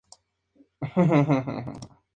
Es la sede del Obispo de Alessandria.